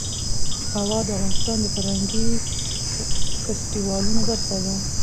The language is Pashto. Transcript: هوا د افغانستان د فرهنګي فستیوالونو برخه ده.